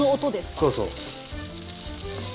そうそう。